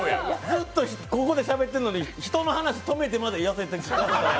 ずっとここでしゃべってるのに人の話止めてまでやせてるって。